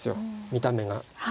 見た目が。